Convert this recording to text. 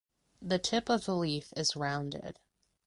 The tip of the leaf is rounded.